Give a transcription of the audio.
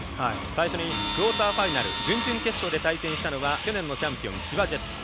最初にクオーターファイナル準々決勝で対戦したのは去年のチャンピオン千葉ジェッツ。